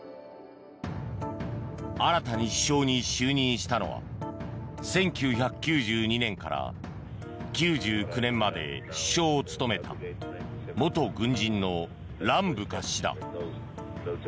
新たに首相に就任したのは１９９２年から９９年まで首相を務めた元軍人のランブカ氏だ。